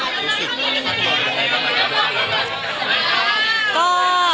รู้สึกว่าออนแอร์กำลังจะออนแอร์แล้วไหม